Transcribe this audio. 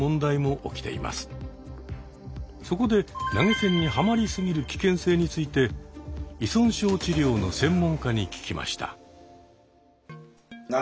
そこで投げ銭にハマり過ぎる危険性について依存症治療の専門家に聞きました。